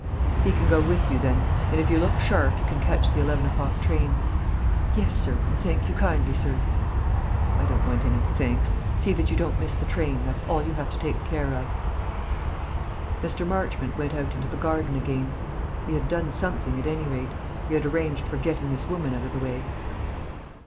"He can go with you, then; and if you look sharp, you can catch the eleven o'clock train." "Yes, sir; and thank you kindly, sir." "I don't want any thanks. See that you don't miss the train; that's all you have to take care of." Mr. Marchmont went out into the garden again. He had done something, at any rate; he had arranged for getting this woman out of the way.